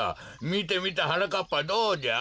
みてみてはなかっぱどうじゃ？